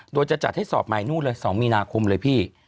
โดยจะจัดให้สอบใหม่นู่นเลย๒มีนาคมเลยพี่